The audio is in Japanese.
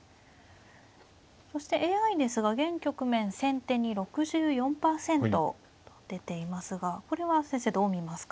そしてＡＩですが現局面先手に６４％と出ていますがこれは先生どう見ますか。